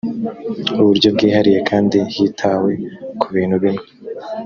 uburyo bwihariye kandi hitawe ku bintu bimwe